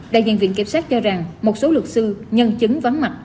đại diện viện kiểm sát cho rằng một số luật sư nhân chứng vắng mặt